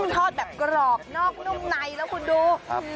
ทอดแบบกรอบนอกนุ่มในแล้วคุณดู